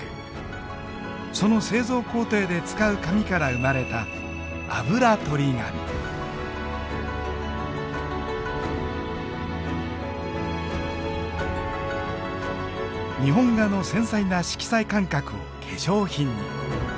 その製造工程で使う紙から生まれた日本画の繊細な色彩感覚を化粧品に。